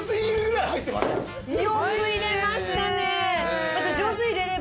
よく入れましたね！